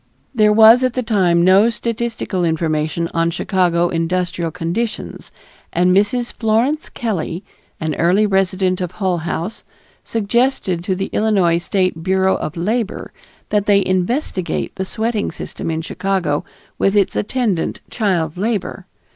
There was at that time no statistical information on Chicago industrial conditions, and Mrs. Florence Kelley, an early resident of Hull House, suggested to the Illinois State Bureau of Labor that they investigate the sweating system in Chicago with its attendant child labor.